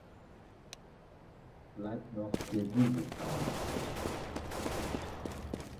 Bleibt noch Kirgisistan.